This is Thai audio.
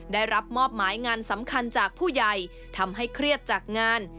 ได้รับมอบหมายงานสำคัญจากผู้ใหญ่ทำให้เครียดจากงาน